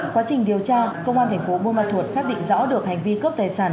quá trình điều tra công an thành phố buôn ma thuột xác định rõ được hành vi cướp tài sản